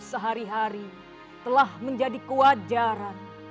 sehari hari telah menjadi kewajaran